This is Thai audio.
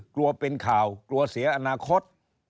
กลัวเป็นข่าวกลัวเสียอนาคต